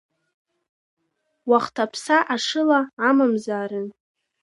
Уахҭаԥса ашыла амамзаарын.